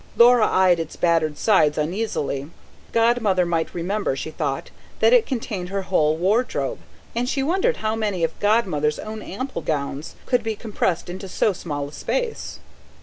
Laura eyed its battered sides uneasily. Godmother might remember, she thought, that it contained her whole wardrobe; and she wondered how many of Godmother's own ample gowns could be compressed into so small a space.